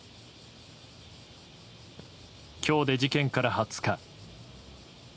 今日で事件から２０日。